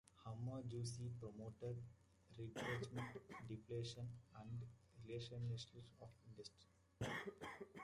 Hamaguchi promoted retrenchment, deflation and the rationalization of industry.